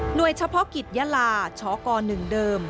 โดยเฉพาะกิจยาลาชก๑เดิม